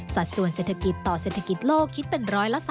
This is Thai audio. ส่วนเศรษฐกิจต่อเศรษฐกิจโลกคิดเป็น๑๓